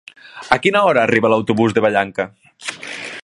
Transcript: A quina hora arriba l'autobús de Vallanca?